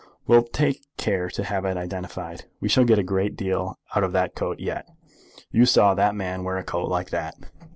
"We'll take care to have it identified. We shall get a great deal out of that coat yet. You saw that man wear a coat like that."